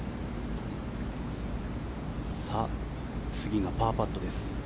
次がパーパットです。